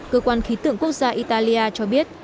cơ quan khí tượng quốc gia italia cho biết